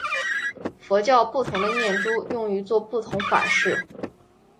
佛教不同的念珠用于作不同法事。